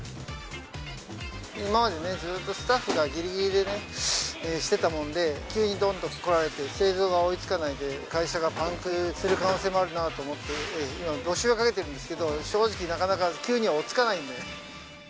今までずっとスタッフがぎりぎりでしてたもんで、急にどんと来られて、製造が追いつかないで、会社がパンクする可能性もあるなと思って、今、募集をかけてるんですけど、正直、なかなか急には追っつかないんでね。